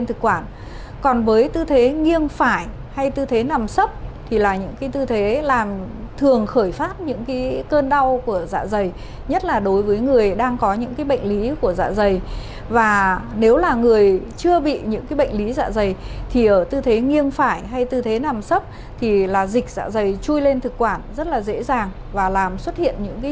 thì ở tư thế nghiêng phải hay tư thế nằm sấp thì là dịch dạ dày chui lên thực quản rất là dễ dàng và làm xuất hiện những triệu chứng của trào ngược dạ dày lên thực quản